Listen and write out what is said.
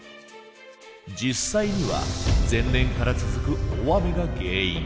実際には前年から続く大雨が原因。